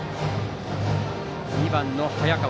２番の早川。